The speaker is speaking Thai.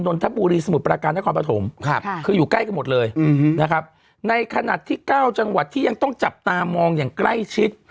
นทบุรีสมุทรประการนครปฐมคืออยู่ใกล้กันหมดเลยนะครับในขณะที่๙จังหวัดที่ยังต้องจับตามองอย่างใกล้ชิด